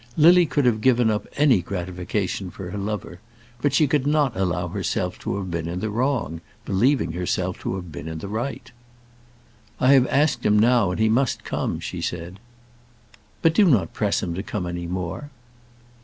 Lily could have given up any gratification for her lover, but she could not allow herself to have been in the wrong, believing herself to have been in the right. "I have asked him now, and he must come," she said. "But do not press him to come any more."